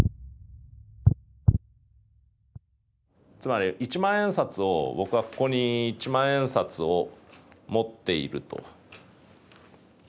つまり一万円札を僕はここに一万円札を持っていると。